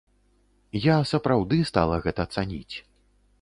Я сапраўды стала гэта цаніць.